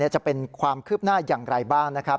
จะเป็นความคืบหน้าอย่างไรบ้างนะครับ